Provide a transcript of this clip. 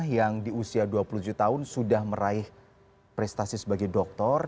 yang di usia dua puluh tujuh tahun sudah meraih prestasi sebagai dokter